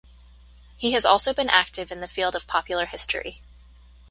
He has also been active in the field of popular history.